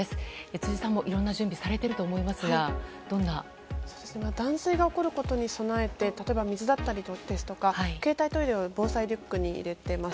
辻さんもいろんな準備をしていると思いますが断水が起こることに備えて例えば水だったりですとか携帯トイレを防災リュックに入れています。